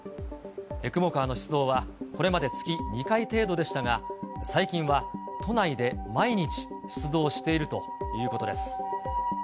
ＥＣＭＯカーの出動は、これまで月２回程度でしたが、最近は都内で毎日、出動しているということです。